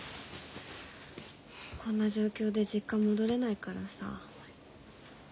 こんな状況で実家戻れないからさ。